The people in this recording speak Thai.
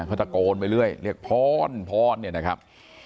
เขาตะโกนไปเรื่อยเรียกพรพรเนี่ยนะครับ